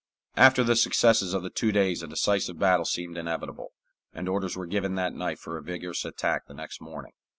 After the successes of the two days a decisive battle seemed inevitable, and orders were given that night for a vigorous attack the next morning.